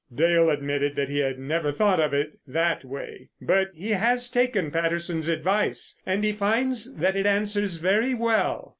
Dale admitted that he had never thought of it in that way. But he has taken Patterson's advice, and he finds that it answers very well.